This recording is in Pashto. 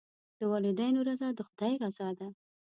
د والدینو رضا د خدای رضا ده.